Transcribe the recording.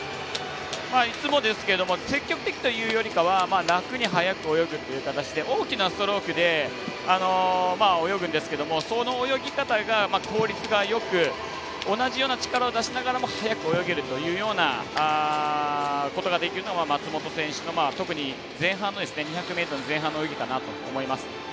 いつもですけど積極的というよりかは楽に速く泳ぐという形で大きなストロークで泳ぐんですけどもその泳ぎ方が効率がよく同じような力を出しながらも速く泳げるというようなことができるのが松元選手の特に前半の２００ｍの泳ぎかなと思います。